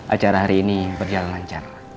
acara hari ini berjalan lancar